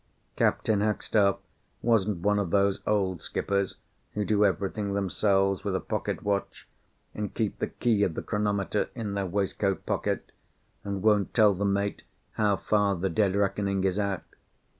Captain Hackstaff wasn't one of those old skippers who do everything themselves with a pocket watch, and keep the key of the chronometer in their waistcoat pocket, and won't tell the mate how far the dead reckoning is out.